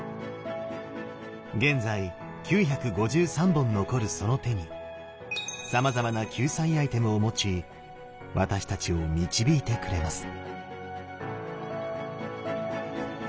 現在９５３本残るその手にさまざまな救済アイテムを持ち私たちを導いてくれます。